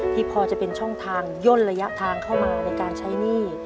พอจะเป็นช่องทางย่นระยะทางเข้ามาในการใช้หนี้